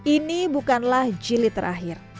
ini bukanlah jilid terakhir